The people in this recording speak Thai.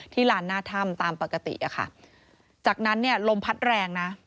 ลานหน้าถ้ำตามปกติอะค่ะจากนั้นเนี่ยลมพัดแรงนะ